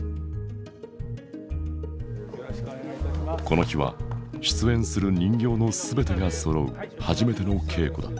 この日は出演する人形の全てがそろう初めての稽古だ。